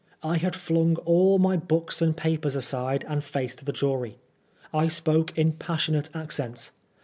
I had flung all my books and papers aside and faced the jury. I spoke in passionate accents.